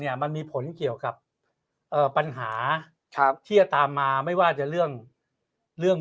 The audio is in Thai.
เนี่ยมันมีผลเกี่ยวกับปัญหาที่จะตามมาไม่ว่าจะเรื่องเรื่อง